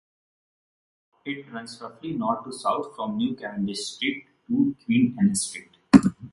It runs roughly north to south from New Cavendish Street to Queen Anne Street.